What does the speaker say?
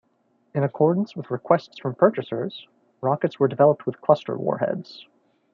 In accordance with requests from purchasers, rockets were developed with cluster warheads.